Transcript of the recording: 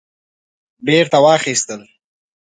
بیرته واخیستل